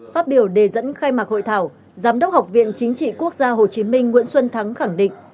phát biểu đề dẫn khai mạc hội thảo giám đốc học viện chính trị quốc gia hồ chí minh nguyễn xuân thắng khẳng định